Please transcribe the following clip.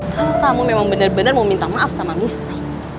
kalau kamu memang bener bener mau minta maaf sama michelle